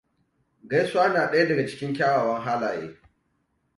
Gaisuwa na ɗaya daga cikin kyawawan halaye.